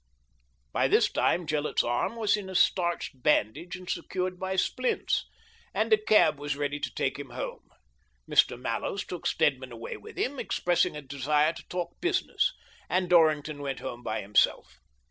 By this time Gillett's arm was in a starched bandage and secured by splints, and a cab was ready to take him home. Mr. Mallows took Stedman away with him, expressing a desire to talk business, and Dorrington went home by himself.